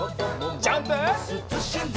ジャンプ！